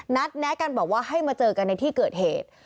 แนะกันบอกว่าให้มาเจอกันในที่เกิดเหตุ